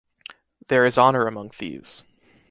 There is honor among thieves.